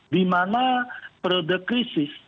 di mana periode krisis